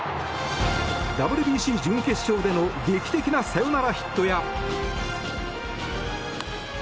ＷＢＣ準決勝での劇的なサヨナラヒットや。